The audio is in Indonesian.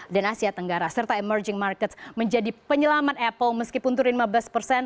dan asia tenggara serta emerging markets menjadi penyelamat apple meskipun turun lima belas persen